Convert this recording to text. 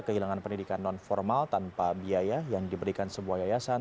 kehilangan pendidikan non formal tanpa biaya yang diberikan sebuah yayasan